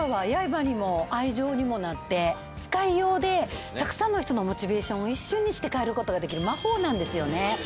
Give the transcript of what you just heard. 使いようでたくさんの人のモチベーションを一瞬にして変えることができる魔法なんですよね